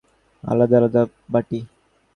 প্রত্যেক তরকারির জন্যে খাবার আলাদা আলাদা বাটি!